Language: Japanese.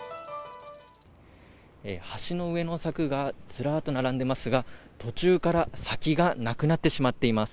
橋の上の柵がずらっと並んでますが、途中から先がなくなってしまっています。